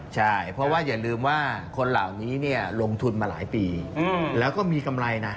ใช่เพราะว่าอย่าลืมว่าคนเหล่านี้เนี่ยลงทุนมาหลายปีแล้วก็มีกำไรนะ